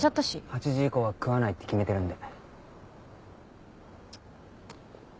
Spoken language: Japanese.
８時以降は食わないって決めてるんで。